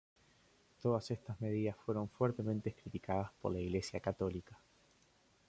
Todas estas medidas fueron fuertemente criticadas por la Iglesia católica.